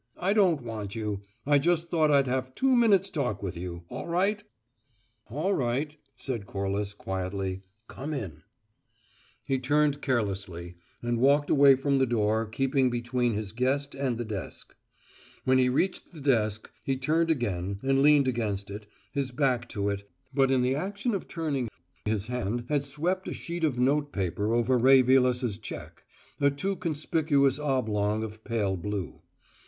"I don't want you. I just thought I'd have two minutes' talk with you. All right?" "All right," said Corliss quietly. "Come in." He turned carelessly, and walked away from the door keeping between his guest and the desk. When he reached the desk, he turned again and leaned against it, his back to it, but in the action of turning his hand had swept a sheet of note paper over Ray Vilas's cheque a too conspicuous oblong of pale blue.